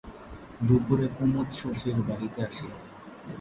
দুপুরে কুমুদ শশীর বাড়িতে আসিল।